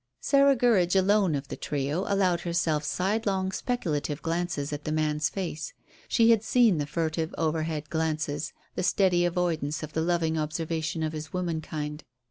Sarah Gurridge alone of the trio allowed herself sidelong, speculative glances at the man's face. She had seen the furtive overhead glances; the steady avoidance of the loving observation of his womankind.